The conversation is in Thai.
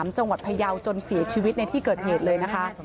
จังหวัดพยาวจนเสียชีวิตในที่เกิดเหตุเลยนะคะ